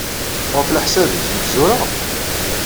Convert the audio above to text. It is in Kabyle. Ɣef leḥsab-nnek, nekk zureɣ?